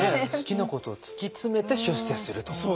好きなことを突き詰めて出世すると？